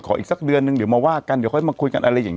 อีกสักเดือนนึงเดี๋ยวมาว่ากันเดี๋ยวค่อยมาคุยกันอะไรอย่างนี้